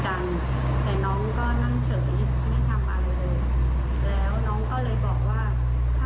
กันแต่น้องก็นั่งเฉยไม่ทำอะไรเลยแล้วน้องก็เลยบอกว่าถ้า